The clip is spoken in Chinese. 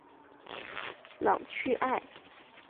朗屈艾。